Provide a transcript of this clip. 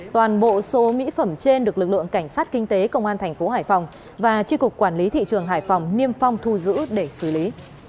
toàn bộ số mỹ phẩm trên được lực lượng cảnh sát kinh tế công an thành phố hải phòng và tri cục quản lý thị trường hải phòng niêm phong thu giữ để xử lý